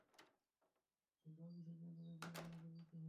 কিন্তু Abu Sufyan তাদের প্ররোচনায় প্ররোচিত হয় নি।